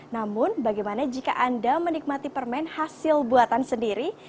namun bagaimana jika anda menikmati permen hasil buatan sendiri